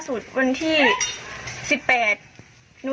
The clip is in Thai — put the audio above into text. จัดกระบวนพร้อมกัน